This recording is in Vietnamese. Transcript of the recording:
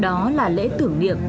đó là lễ tưởng niệm